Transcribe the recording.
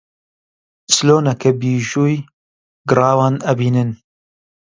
چلۆنە کە بیژووی گڕاوان ئەبینن